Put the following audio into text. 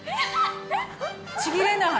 ちぎれない！